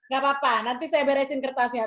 gak apa apa nanti saya beresin kertasnya